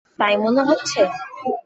তাই মনে হচ্ছে?